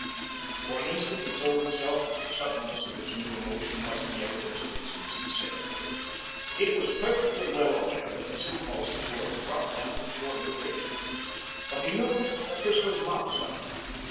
For an instant he told himself that the suddenness of this new emotion must be evidence of its insincerity. He was perfectly well aware that his impulses were abrupt and of short duration. But he knew that this was not sudden.